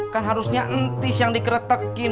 kan harusnya entis yang dikretekin